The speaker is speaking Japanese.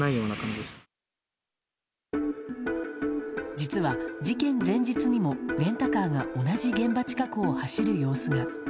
実は事件前日にもレンタカーが同じ現場近くを走る様子が。